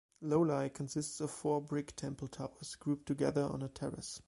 Lolei consists of four brick temple towers grouped together on a terrace.